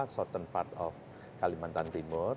soton part of kalimantan timur